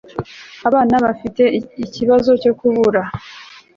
abana bafite ikibazo cyo kubura